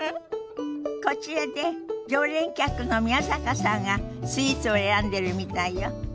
こちらで常連客の宮坂さんがスイーツを選んでるみたいよ。